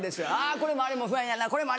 これもあれも不安やな。